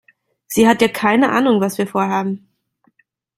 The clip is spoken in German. Sie hat ja keine Ahnung, was wir vorhaben.